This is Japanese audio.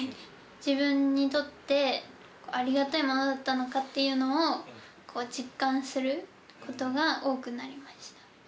自分にとって、ありがたいものだったのかっていうのを、実感することが多くなりました。